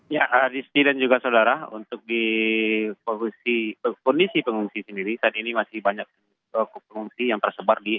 ya rizky dan juga saudara untuk di kondisi pengungsi sendiri saat ini masih banyak pengungsi yang tersebar di